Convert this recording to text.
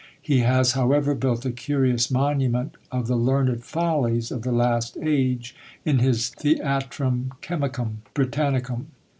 He has, however, built a curious monument of the learned follies of the last age, in his "Theatrum Chemicum Britannicum."